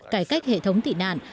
cải cách hệ thống tị nạn